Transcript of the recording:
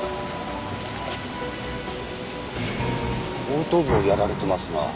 後頭部をやられてますなあ。